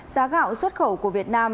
giá gạo xuất khẩu của việt nam